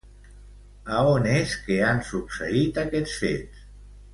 A on és que han succeït aquests fets?